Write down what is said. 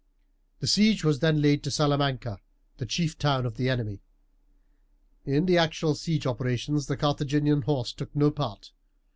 The siege was then laid to Salamanca, the chief town of the enemy. In the actual siege operations the Carthaginian horse took no part.